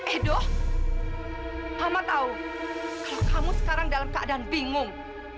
edo mama tahu kalau kamu sekarang dalam keadaan bingung